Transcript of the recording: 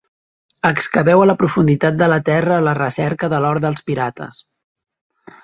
Excaveu a la profunditat de la terra a la recerca de l'or dels pirates.